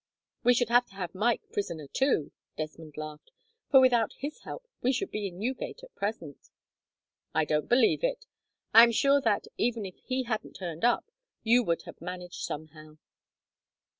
"We should have to have Mike prisoner, too," Desmond laughed, "for without his help we should be in Newgate at present." "I don't believe it. I am sure that, even if he hadn't turned up, you would have managed somehow."